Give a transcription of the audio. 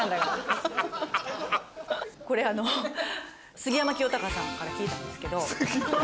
これ杉山清貴さんから聞いたんですけど。